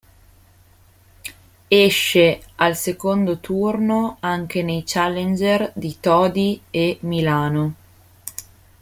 Esce al secondo turno anche nei Challenger di Todi e Milano.